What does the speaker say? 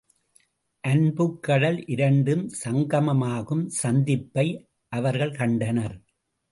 அன்புக்கடல் இரண்டும் சங்கமம் ஆகும் சந்திப்பை அவர்கள் கண்டனர்.